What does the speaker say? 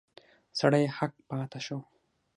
سړی هک پاته شو.